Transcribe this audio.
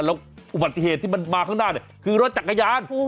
แล้วอุบัติเหตุที่มันมาข้างหน้าเนี่ยคือรถจักรยาน